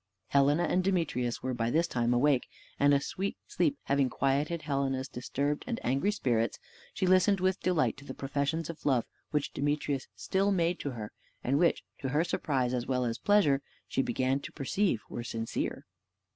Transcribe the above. Helena and Demetrius were by this time awake; and a sweet sleep having quieted Helena's disturbed and angry spirits, she listened with delight to the professions of love which Demetrius still made to her, and which, to her surprise as well as pleasure, she began to perceive were sincere.